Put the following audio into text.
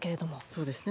そうですね。